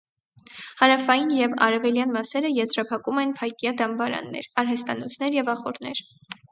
Հարավային և արևելյան մասերը եզրափակում են փայտյա դամբարաններ, արհեստանոցներ և ախոռներ։